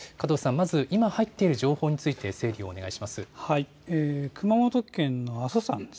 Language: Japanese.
まず今入っている情報について整理をお願いします。